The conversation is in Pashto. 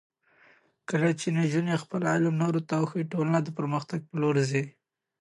کله چې نجونې خپل علم نورو ته وښيي، ټولنه د پرمختګ په لور ځي.